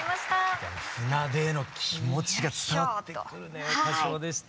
船出の気持ちが伝わってくるね歌唱でした。